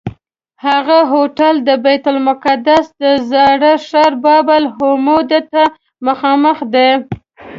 هغه هوټل د بیت المقدس د زاړه ښار باب العمود ته مخامخ دی.